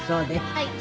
はい。